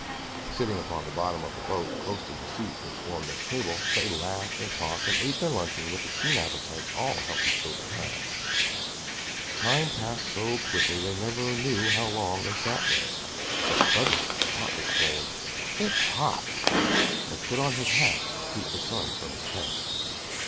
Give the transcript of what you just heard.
Sitting upon the bottom of the boat, close to the seat which formed their table, they laughed and talked and ate their luncheon with the keen appetites all healthy children have. The time passed so quickly they never knew how long they sat there; but suddenly Tot exclaimed, "It's hot!" and put on his hat to keep the sun from his head.